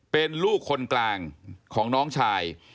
เป็นลูกคนกลางของน้องชาย